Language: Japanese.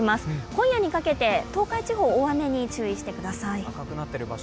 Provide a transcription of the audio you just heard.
今夜にかけて東海地方、大雨にご注意ください。